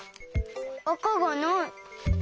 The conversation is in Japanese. あかがない。